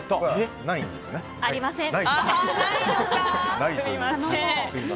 ありません。